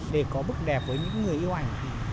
để có bức đẹp với những người yêu ảnh